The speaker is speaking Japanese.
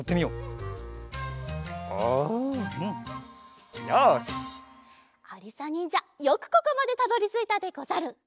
ありさにんじゃよくここまでたどりついたでござる。